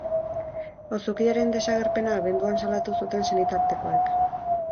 Auzokidearen desagerpena abenduan salatu zuten senitartekoek.